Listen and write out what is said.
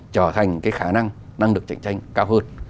trở thành cái khả năng năng lực cạnh tranh cao hơn